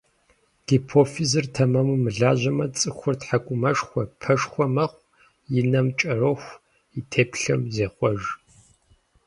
Гипофизыр тэмэму мылажьэмэ, цӀыхур тхьэкӀумэшхуэ, пэшхуэ, мэхъу, и нэм кӀэроху, и теплъэм зехъуэж.